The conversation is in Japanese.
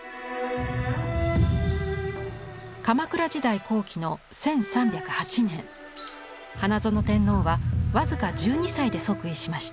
鎌倉時代後期の１３０８年花園天皇は僅か１２歳で即位しました。